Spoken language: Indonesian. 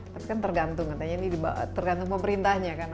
tapi kan tergantung katanya ini tergantung pemerintahnya kan